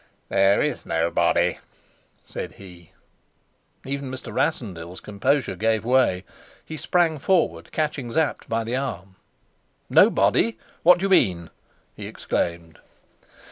"There is no body," said he. Even Mr. Rassendyll's composure gave way. He sprang forward, catching Sapt by the arm. "No body? What do you mean?" he exclaimed.